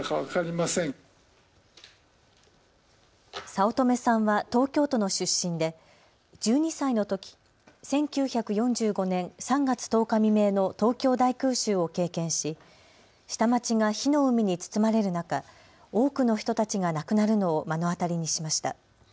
早乙女さんは東京都の出身で１２歳のとき、１９４５年３月１０日未明の東京大空襲を経験し下町が火の海に包まれる中、多くの人たちが亡くなるのを目の当たりにしました。